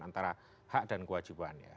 antara hak dan kewajiban ya